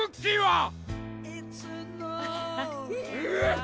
えっ？